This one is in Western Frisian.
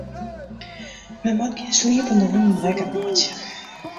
Men moat gjin sliepende hûnen wekker meitsje.